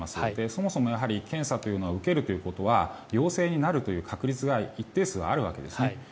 そもそも検査というのは受けるということは陽性になるという確率が一定数あるわけですね。